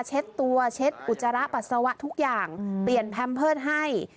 เช็ดตัวเช็ดอุจจาระปัสสาวะทุกอย่างเปลี่ยนแพมเพิร์ตให้